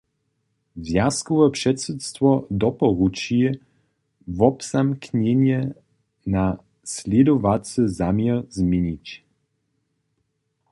Zwjazkowe předsydstwo doporuči, wobzamknjenje na slědowacy zaměr změnić.